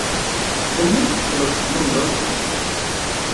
Melmi ay d-teqqleḍ seg London?